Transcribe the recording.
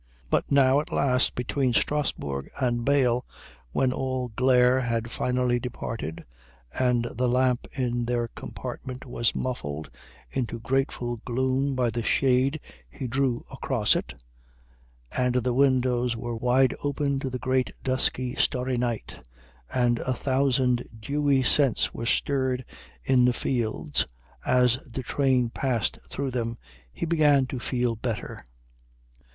But now at last between Strassburg and Bâle, when all glare had finally departed and the lamp in their compartment was muffled into grateful gloom by the shade he drew across it, and the windows were wide open to the great dusky starry night, and a thousand dewy scents were stirred in the fields as the train passed through them, he began to feel better.